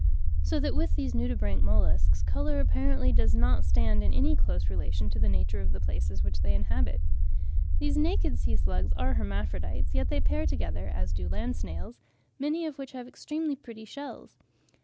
So that with these nudibranch molluscs, colour apparently does not stand in any close relation to the nature of the places which they inhabit. These naked sea slugs are hermaphrodites, yet they pair together, as do land snails, many of which have extremely pretty shells.